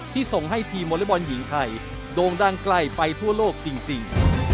ที่ส่งให้ทีมวอลลี่บอลหญิงไทยโด่งดังใกล้ไปทั่วโลกจริงจริง